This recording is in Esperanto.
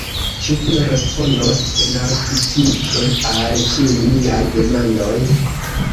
Ĉu vi respondos senartifike al ĉiuj miaj demandoj?